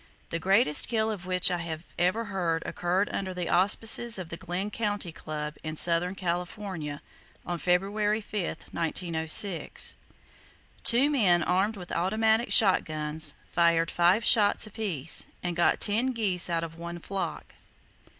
The greatest kill of which I ever have heard occurred under the auspices of the Glenn County Club, in southern California, on February 5, 1906. Two men, armed with automatic shot guns, fired five shots apiece, and got ten geese out of one flock.